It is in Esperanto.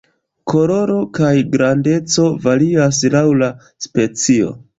Koloro kaj grandeco varias laŭ la specio.